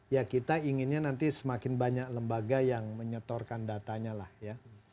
ya kita inginnya nanti semakin banyak lembaga yang menyetorkan datanya lah ya